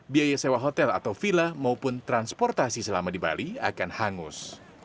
biaya sewa hotel atau villa maupun transportasi selama di bali akan hangus